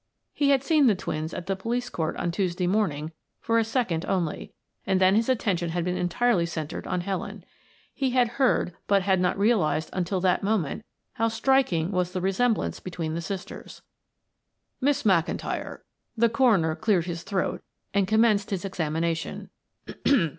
He had seen the twins at the police court on Tuesday morning for a second only, and then his attention had been entirely centered on Helen. He had heard, but had not realized until that moment, how striking was the resemblance between the sisters. "Miss McIntyre," the coroner cleared his throat and commenced his examination.